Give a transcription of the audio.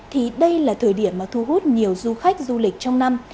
thì đây là thời điểm mà thu hút nhiều du khách du lịch trong năm